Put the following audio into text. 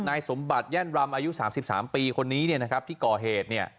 นายสมบัติแย่นรำอายุ๓๓ปีคนนี้นะครับที่ก่อเหตุ